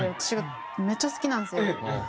私がめっちゃ好きなんですよ。